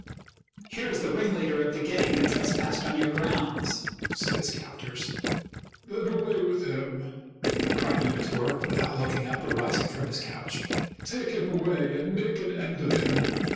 "Here is the ringleader of the gang that tres passed on your grounds," said his captors. " Then away with him !" cried Numitor, without looking up or rising from his couch. " Take him away and make an end of him."